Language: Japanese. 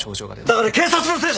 だから警察のせいだ！